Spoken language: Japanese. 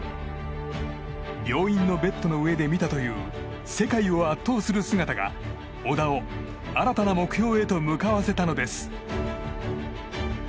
病院のベッドの上で見たという世界を圧倒する姿が小田を新たな目標へと向かわせたのです。